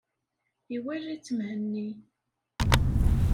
Iwala-tt Mhenni.